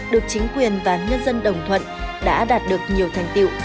được chính quyền và nhân dân đồng thuận đã đạt được nhiều thành tiệu